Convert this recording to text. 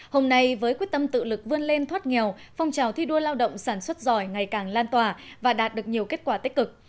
hôm nay với quyết tâm tự lực vươn lên thoát nghèo phong trào thi đua lao động sản xuất giỏi ngày càng lan tỏa và đạt được nhiều kết quả tích cực